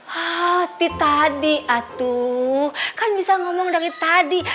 hati tadi atuh kan bisa ngomong dari tadi